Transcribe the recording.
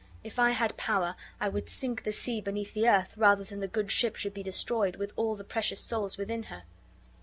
If I had power I would sink the sea beneath the earth, rather than the good ship should be destroyed, with all the precious souls within her."